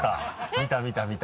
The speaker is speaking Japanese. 見た見た！